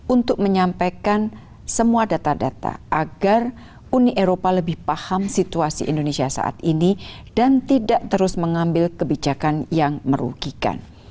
untuk menyampaikan semua data data agar uni eropa lebih paham situasi indonesia saat ini dan tidak terus mengambil kebijakan yang merugikan